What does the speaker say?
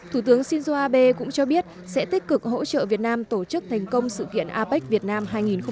thủ tướng shinzo abe cũng cho biết sẽ tích cực hỗ trợ việt nam tổ chức thành công sự kiện apec việt nam hai nghìn một mươi chín